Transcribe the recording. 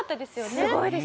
すごいです。